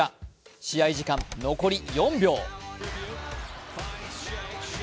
試合時間、残り４秒。